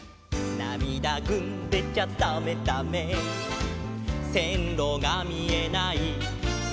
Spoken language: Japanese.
「なみだぐんでちゃだめだめ」「せんろがみえない」